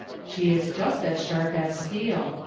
" She is just as sharp as steel.